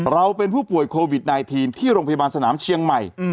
เราเป็นผู้ป่วยโควิด๑๙ที่โรงพยาบาลสนามเชียงใหม่